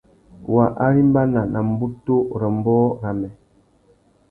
Wa arimbana nà mbutu râ ambōh râmê.